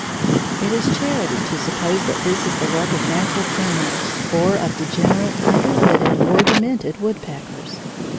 It is charity to suppose that this is the work of natural criminals, or of degenerate, under witted, or demented woodpeckers.